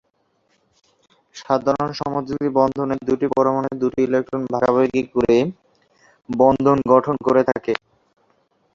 সাধারণ সমযোজী বন্ধনে দুটি পরমাণু দুটি ইলেকট্রন ভাগাভাগি করে বন্ধন গঠন করে থাকে।